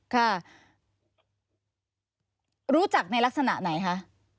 ค่ะรู้จักในลักษณะไหนคะ